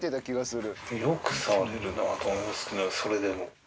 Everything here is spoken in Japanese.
よく触れるなと思いますけど、それでも。